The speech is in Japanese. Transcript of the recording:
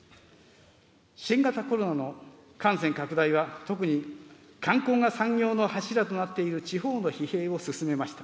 新型コロナの感染拡大は、特に観光が産業の柱となっている地方の疲弊を進めました。